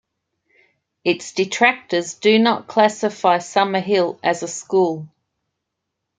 Its detractors do not classify Summerhill as a school.